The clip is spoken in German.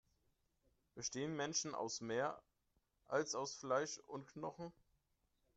Bestehen Menschen aus mehr, als aus Fleisch und Knochen?